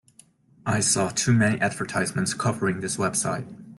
I saw too many advertisements covering this website.